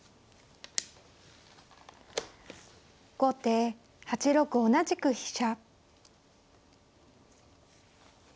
後手８六同じく飛車。